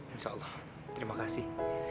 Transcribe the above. insya allah terima kasih